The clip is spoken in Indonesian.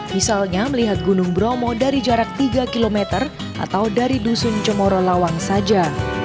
misalnya melihat gunung bromo dari jarak tiga kilometer atau dari dusun comorolawang saja